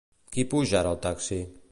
Qui puja ara al taxi?